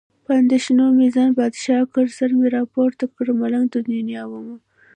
په اندېښنو مې ځان بادشاه کړ. سر مې راپورته کړ، ملنګ د دنیا ومه.